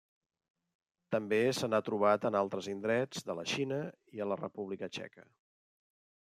També se n'ha trobat en altres indrets de la Xina i a la República Txeca.